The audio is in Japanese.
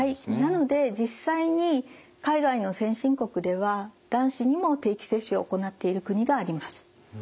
なので実際に海外の先進国では男子にも定期接種を行っている国があります。